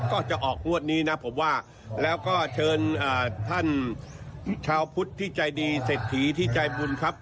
ก็จะออกงวดนี้นะผมว่าแล้วก็เชิญท่านชาวพุทธที่ใจดีเศรษฐีที่ใจบุญครับ